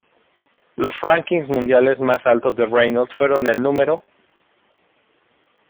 Los rankings mundiales más altos de Reynolds fueron el No.